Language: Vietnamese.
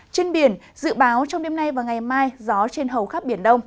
trên biển dự báo trong đêm nay và ngày mai gió trên hầu khắp biển đông